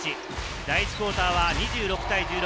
第１クオーターは２６対１６。